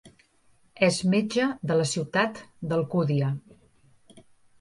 És metge de la ciutat d'Alcúdia.